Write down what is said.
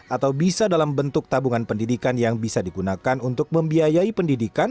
atau bisa dalam bentuk tabungan pendidikan yang bisa digunakan untuk membiayai pendidikan